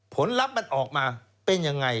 ผลลับมันออกมาเป็นอย่างไร